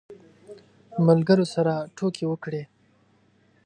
ملګرو سره ټوکې وکړې.